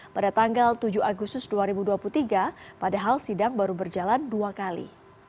pada tanggal tujuh agustus dua ribu dua puluh tiga padahal sidang baru berjalan dua kali